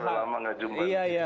lama gak jumpa